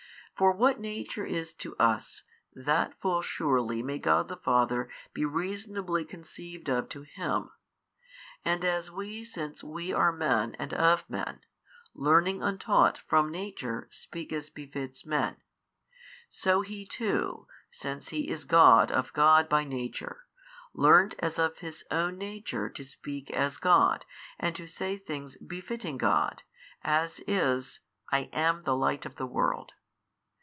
For what nature is to us, that full surely may God the Father be reasonably conceived of to Him; and as WE since we are men and of men, learning untaught from nature speak as befits men, so He too, since He is God of God by Nature, learnt as of His Own Nature to speak as God and to say things befitting God, as is I am the Light of the world.